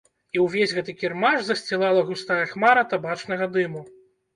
І ўвесь гэты кірмаш засцілала густая хмара табачнага дыму.